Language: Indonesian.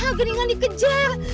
nah gedingan dikejar